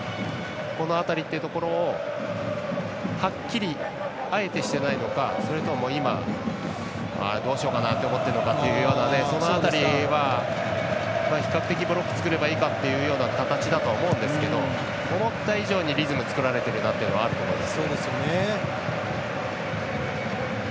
この辺りっていうところをはっきり、あえてしてないのかそれとも、今、どうしようかなって思っているのかっていうその辺りは比較的ブロック作ればいいかというような形だと思うんですけど思った以上にリズムを作られているなというところはあると思います。